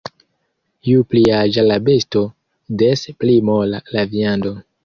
Ju pli aĝa la besto, des pli mola la viando.